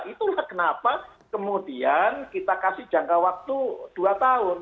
itulah kenapa kemudian kita kasih jangka waktu dua tahun